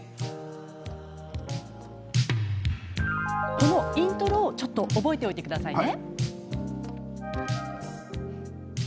このイントロちょっと覚えておいてくださいね。